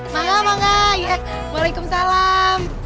manga manga ya waalaikumsalam